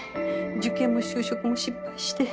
受験も就職も失敗して。